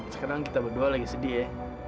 sekarang kita berdua lagi sedih ya